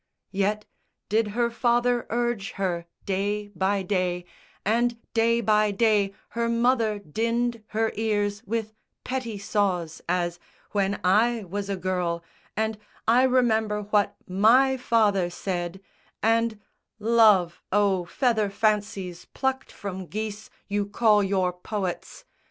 _" Yet did her father urge her day by day, And day by day her mother dinned her ears With petty saws, as "When I was a girl," And "I remember what my father said," And "Love, oh feather fancies plucked from geese You call your poets!"